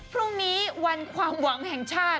พรุ่งนี้วันความหวังแห่งชาติ